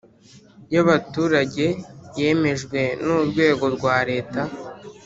Y abaturage yemejwe n urwego rwa leta